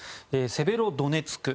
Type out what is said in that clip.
セベロドネツク